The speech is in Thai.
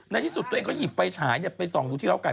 ในที่สุดตัวเองก็หยิบไฟฉายไปส่องดูที่เล้าไก่